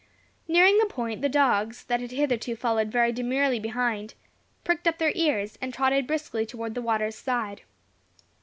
Nearing the point, the dogs, that had hitherto followed very demurely behind, pricked up their ears, and trotted briskly towards the water's side.